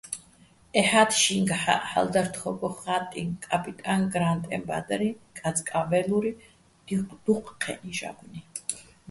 ეჰ̦ათ შინგჰ̦აჸ ჰ̦ალო̆ დარ თხო́გო ხა́ტტინო̆ "კაპიტაჼ გრა́ნტეჼ ბადრი", "კაწკაჼ ვე́ლური", დუჴ ჴე́ნი ჟაგნუჲ.